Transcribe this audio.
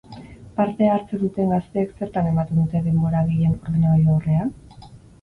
Parte hartzen duten gazteek, zertan ematen dute denbora gehien ordenagailu aurrean?